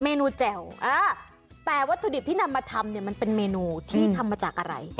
นูแจ่วแต่วัตถุดิบที่นำมาทำเนี่ยมันเป็นเมนูที่ทำมาจากอะไร